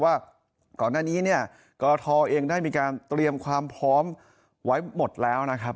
ว่าก่อนหน้านี้เนี่ยกรทเองได้มีการเตรียมความพร้อมไว้หมดแล้วนะครับ